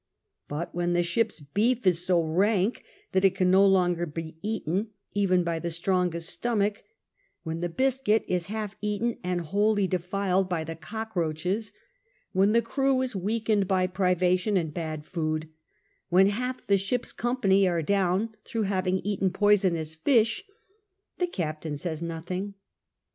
But when the ship's beef is so rank that it can no longer be eaten even by the strongest stomach,^ when the biscuit is half eaten and wholly defiled by the cockroaches, when the crew is weakened by privation and bad food, when half the ship's company are down through having eaten ]K)isonous fish, the captain says nothing.